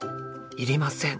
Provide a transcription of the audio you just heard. いりません。